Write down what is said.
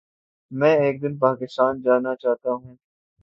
میں ایک دن پاکستان جانا چاہتاہوں